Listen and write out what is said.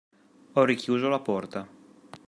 Ho richiuso la porta.